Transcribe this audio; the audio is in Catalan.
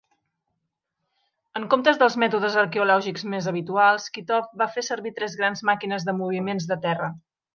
En comptes dels mètodes arqueològics més habituals, Kitov va fer servir tres grans màquines de moviments de terra.